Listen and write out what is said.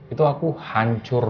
itu aku hancur